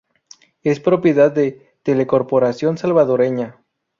Es propiedad de Telecorporación Salvadoreña.